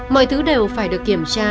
mọi thứ đều phải được kiểm tra